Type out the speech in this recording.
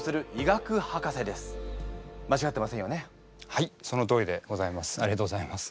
はいそのとおりでございます。